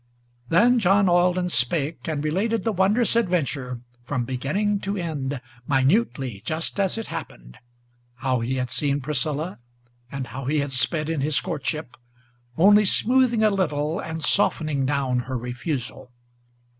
Then John Alden spake, and related the wondrous adventure, From beginning to end, minutely, just as it happened; How he had seen Priscilla, and how he had sped in his courtship, Only smoothing a little, and softening down her refusal.